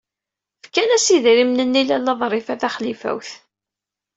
Fkan-as idrimen-nni i Lalla Ḍrifa Taxlifawt.